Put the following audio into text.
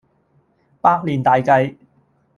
百年大計